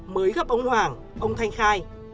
mới gặp ông hoàng ông thanh khai